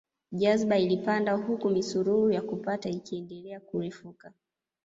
Jazba ilipanda huku misururu ya kupata ikiendelea kurefuka